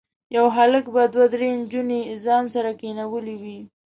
یو هلک به دوه درې نجونې ځان سره کېنولي وي.